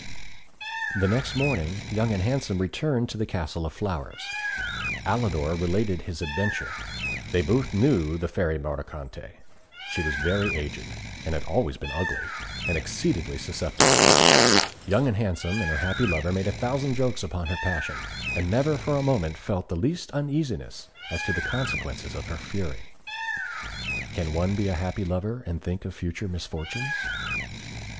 The next morning, Young and Handsome returned to the Castle of Flowers. Alidor related his adventure. They both knew the Fairy Mordicante. She was very aged, had always been ugly, and exceedingly susceptible. Young and Handsome and her happy lover made a thousand jokes upon her passion, and never for a moment felt the least uneasiness as to the consequences of her fury. Can one be a happy lover and think of future misfortunes?